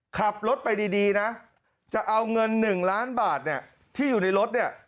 ขับรถไปดีนะจะเอาเงิน๑ล้านบาทเนี่ยที่อยู่ในรถเนี่ย